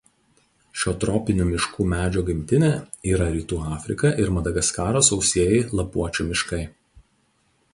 Šio tropinių miškų medžio gimtinė yra rytų Afrika ir Madagaskaro sausieji lapuočių miškai.